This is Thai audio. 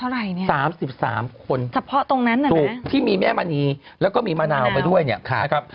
กี่คน๓๓คนที่มีแม่บรรณีและมะนาวไปด้วยนะครับ